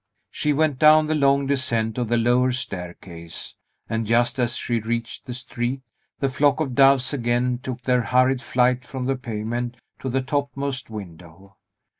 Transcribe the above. She went down the long descent of the lower staircase, and just as she reached the street the flock of doves again took their hurried flight from the pavement to the topmost window.